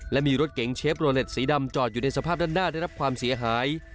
และมีรถเก๋งเชฟโรเล็ตสีดำจอดอยู่ในสภาพด้านหน้าได้รับความเสียหาย